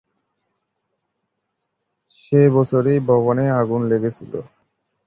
সেই বছরই ভবনে আগুন লেগেছিল।